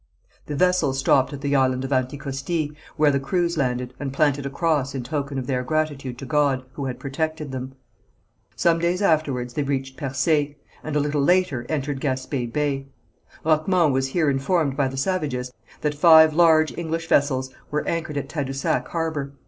The vessels stopped at the Island of Anticosti, where the crews landed, and planted a cross in token of their gratitude to God, who had protected them. Some days afterwards they reached Percé, and a little later entered Gaspé Bay. Roquemont was here informed by the savages that five large English vessels were anchored in Tadousac harbour.